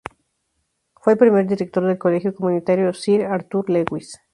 Fue el primer director del Colegio Comunitario Sir Arthur Lewis.